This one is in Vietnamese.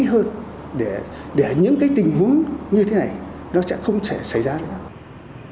để những cái tình huống những cái tình huống những cái tình huống những cái tình huống những cái tình huống những cái tình huống những cái tình huống